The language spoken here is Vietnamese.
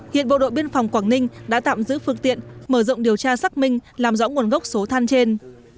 hiện bộ đội biên phòng quảng ninh đã tạm giữ phương tiện mở rộng điều tra xác minh làm rõ nguồn gốc số than trên